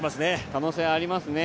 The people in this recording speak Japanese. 可能性はありますね。